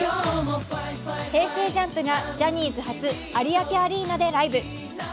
ＪＵＭＰがジャニーズ初有明アリーナでライブ。